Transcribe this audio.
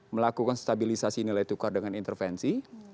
melakukan stabilisasi nilai tukar dengan intervensi